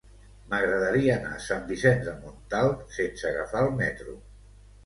M'agradaria anar a Sant Vicenç de Montalt sense agafar el metro.